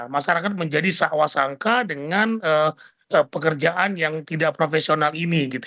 masyarakat menjadi seawasangka dengan pekerjaan yang tidak profesional ini